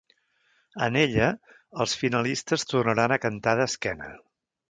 En ella, els finalistes tornaran a cantar d'esquena.